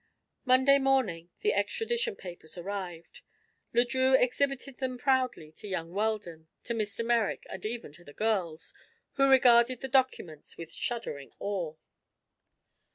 Monday morning the extradition papers arrived. Le Drieux exhibited them proudly to young Weldon, to Mr. Merrick, and even to the girls, who regarded the documents with shuddering awe.